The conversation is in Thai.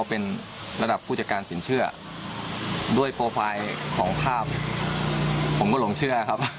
เป็นระดับผู้จัดการสินเชื่อด้วยโปรไฟล์ของภาพผมก็หลงเชื่อครับ